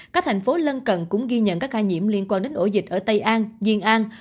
các thành phố lân cận cũng ghi nhận các ca nhiễm liên quan đến ổ dịch ở tây an diên an